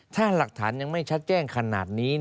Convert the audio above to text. ถ้าหลักฐานยังไม่ชัดแจ้งขนาดนี้